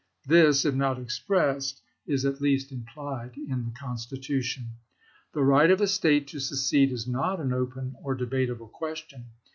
This, if not expressed, is at least implied in the Constitution. The right of a State to secede is not an open or debatable question.